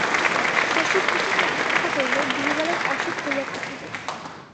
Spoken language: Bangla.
শশিভূষণের আশঙ্কা হইল, গিরিবালার অসুখ হইয়া থাকিবে।